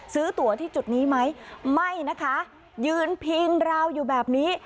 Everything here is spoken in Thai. ตัวที่จุดนี้ไหมไม่นะคะยืนพิงราวอยู่แบบนี้